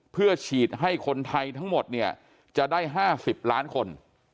เพื่อฉีดให้คนไทยทั้งหมดเนี่ยจะได้๕๐ล้านคน